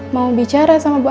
mau berbicara sama pak surya